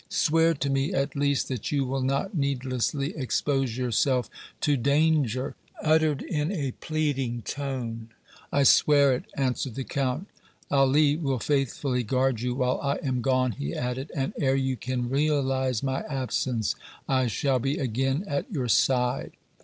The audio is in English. "Swear to me, at least, that you will not needlessly expose yourself to danger," she uttered, in a pleading tone. "I swear it," answered the Count. "Ali will faithfully guard you while I am gone," he added, "and ere you can realize my absence, I shall be again at your side."